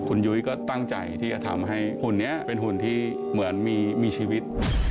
คุณยุ้ยก็ตั้งใจที่จะทำให้หุ่นนี้เป็นหุ่นที่เหมือนมีชีวิต